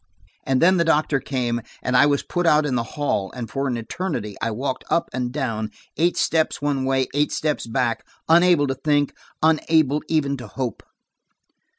And then the doctor came, and I was put out in the hall, and for an eternity, I walked up and down, eight steps one way, eight steps back, unable to think, unable even to hope.